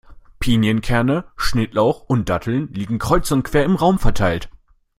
Pinienkerne, Schnittlauch und Datteln liegen kreuz und quer im Raum verteilt.